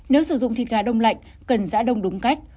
nếu sử dụng thịt gà đông lạnh cần giã đông đúng cách